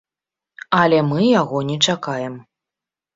Але мы яго не чакаем.